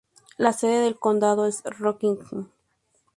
La sede del condado es Rockingham.